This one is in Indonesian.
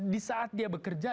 di saat dia bekerja